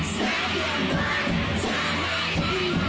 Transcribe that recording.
ส่วนยังแบร์ดแซมแบร์ด